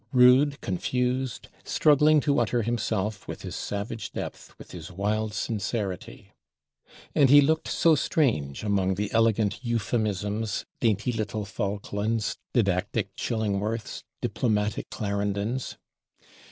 Rude, confused, struggling to utter himself, with his savage depth, with his wild sincerity; and he looked so strange, among the elegant Euphemisms, dainty little Falklands, didactic Chillingworths, diplomatic Clarendons!